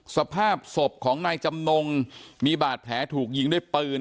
สภาพศพของนายจำนงมีบาดแผลถูกยิงด้วยปืน